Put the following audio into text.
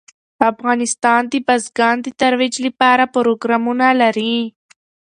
افغانستان د بزګان د ترویج لپاره پروګرامونه لري.